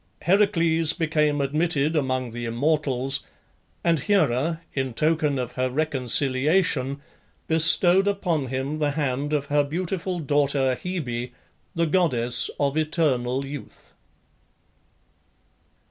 Heracles became admitted among the immortals; and Hera, in token of her reconciliation, bestowed upon him the hand of her beautiful daughter Hebe, the goddess of eternal youth.